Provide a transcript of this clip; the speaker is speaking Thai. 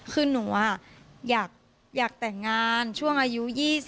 คือหนูอยากแต่งงานช่วงอายุ๒๐